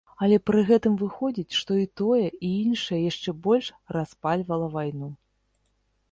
Але пры гэтым выходзіць, што і тое, і іншае яшчэ больш распальвала вайну.